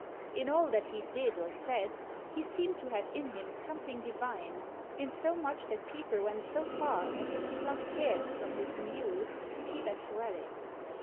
In all that he did or said he seemed to have in him something divine, insomuch that people went so far as to pluck hairs from his mule to keep as relics.